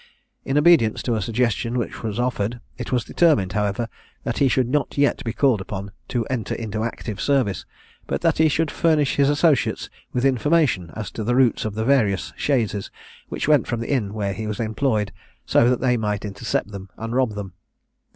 In obedience to a suggestion which was offered, it was determined, however, that he should not yet be called upon to enter into active service, but that he should furnish his associates with information as to the routes of the various chaises which went from the inn where he was employed, so that they might intercept them, and rob them.